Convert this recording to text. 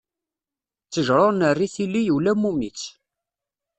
Ttejṛa ur nerri tili, ula wumi-tt.